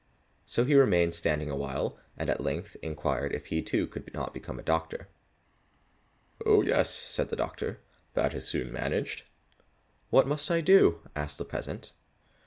So he remained standing a while, and at length inquired if he too could not be a doctor. "Oh, yes," said the doctor, "that is soon managed." "What must I do?" asked the peasant.